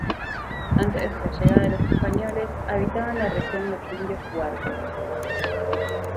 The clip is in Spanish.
Antes de la llegada de los españoles habitaban la región los indios huarpes.